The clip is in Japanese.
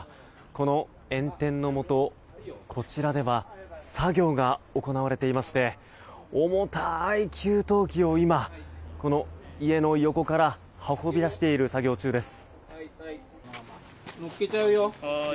この炎天のもと、こちらでは作業が行われていまして重たい給湯器を今、家の横から運び出している作業中です。